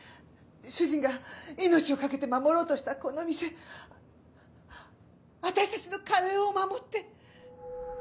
主人が命を懸けて守ろうとしたこの店私たちのカレーを護って！